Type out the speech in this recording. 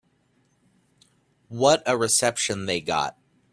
What a reception they got.